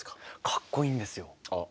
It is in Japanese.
かっこいいんですよ！